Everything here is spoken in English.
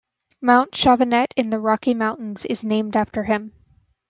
Mount Chauvenet in the Rocky Mountains is named after him.